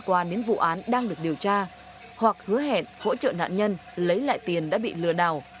các vụ án đang được điều tra hoặc hứa hẹn hỗ trợ nạn nhân lấy lại tiền đã bị lừa đảo